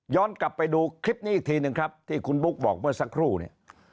กลับไปดูคลิปนี้อีกทีหนึ่งครับที่คุณบุ๊คบอกเมื่อสักครู่เนี่ย